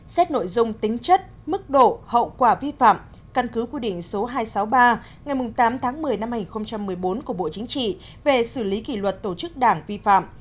xét nội dung tính chất mức độ hậu quả vi phạm căn cứ quy định số hai trăm sáu mươi ba ngày tám tháng một mươi năm hai nghìn một mươi bốn của bộ chính trị về xử lý kỷ luật tổ chức đảng vi phạm